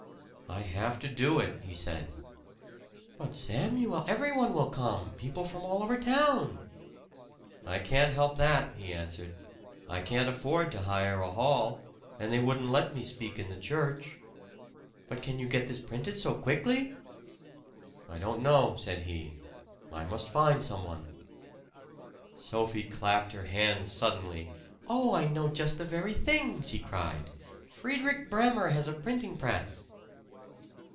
"I have to do it," he said. "But, Samuel, everyone will come people from all over town." "I can't help that," he answered. "I can't afford to hire a hall; and they wouldn't let me speak in the church." "But can you get this printed so quickly?" "I don't know," said he. "I must find some one." Sophie clapped her hands suddenly. "Oh, I know just the very thing!" she cried. "Friedrich Bremer has a printing press!"